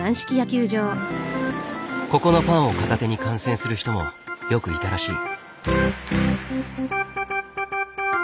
ここのパンを片手に観戦する人もよくいたらしい。